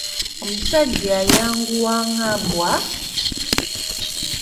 Omusajja ayanguwa ng'mbwa.